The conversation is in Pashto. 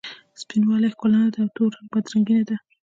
سپین والې ښکلا نه ده او تور رنګ بد رنګي نه ده.